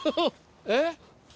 えっ？